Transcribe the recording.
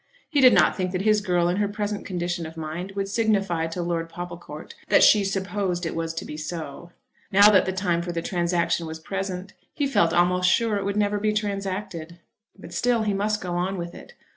He did not think that his girl in her present condition of mind would signify to Lord Popplecourt that "she supposed it was to be so." Now that the time for the transaction was present he felt almost sure it would never be transacted. But still he must go on with it.